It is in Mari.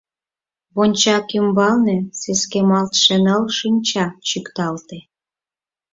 Вончак ӱмбалне сескемалтше ныл шинча чӱкталте.